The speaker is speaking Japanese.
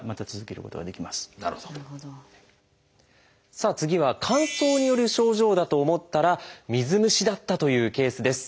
さあ次は乾燥による症状だと思ったら水虫だったというケースです。